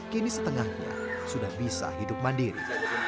kini setengahnya sudah bisa hidup mandiri